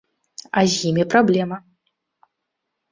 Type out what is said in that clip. А з імі праблема.